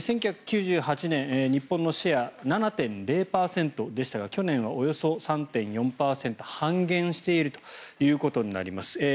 １９９８年、日本のシェア７．０％でしたが去年はおよそ３．４％半減しているということになります。